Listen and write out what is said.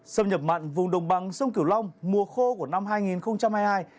sâm nhập mặn vùng đồng bằng sông kiểu long mùa khô của năm hai nghìn hai mươi hai hai nghìn hai mươi ba